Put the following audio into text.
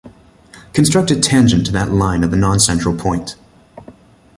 Construct a tangent to that line at the non-central point.